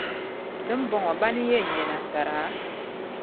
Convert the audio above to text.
Di ni bɔŋɔ, bana n-nyɛ ban yɛn nya nasara?